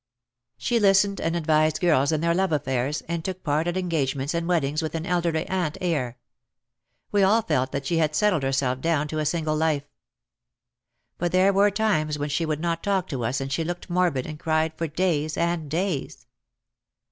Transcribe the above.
She listened and advised girls in their love affairs, and took part at engagements and weddings with an "elderly aunt" air. We all felt that she had settled herself down to a single life. But there were times when she would not talk to us and she looked morbid and cried for days and days.